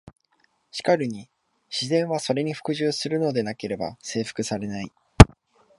しかるに「自然は、それに服従するのでなければ征服されない」。